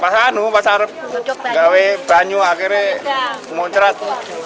pas kanu pas harap gawe banyu akhirnya muncrat